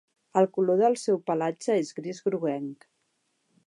El color del seu pelatge és gris groguenc.